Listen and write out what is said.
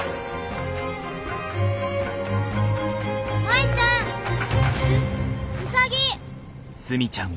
舞ちゃん！